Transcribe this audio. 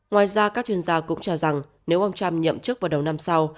ngoài ra các chuyên gia cũng cho rằng nếu ông trump nhậm chức vào đầu năm sau